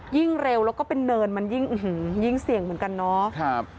ยิ่งเร็วแล้วก็เป็นเนินมันยิ่งเสี่ยงเหมือนกันเนาะ